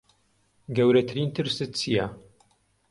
گەورەترین ترست چییە؟